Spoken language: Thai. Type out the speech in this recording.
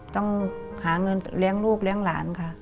ต้องหาเงินเลี้ยงลูกเลี้ยงหลานค่ะ